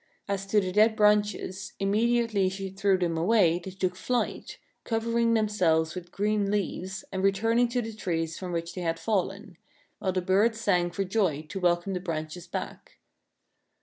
As to the dead branches, immediately she threw them away they, took flight, covering themselves with green leaves, and returning to the trees from which they had fallen; while the birds sang for joy to welcome the branches back.